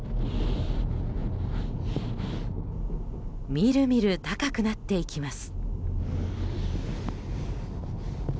みるみる高くなっていきます。